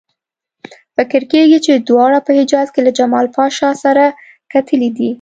فکر کېږي چې دواړو په حجاز کې له جمال پاشا سره کتلي دي.